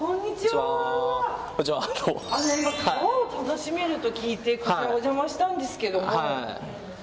今、川を楽しめると聞いてお邪魔したんですけども。